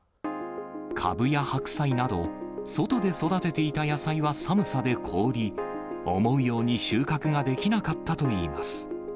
かぶや白菜など、外で育てていた野菜は寒さで凍り、思うように収穫ができなかったといいます。